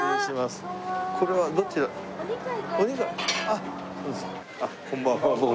あっこんばんはどうも。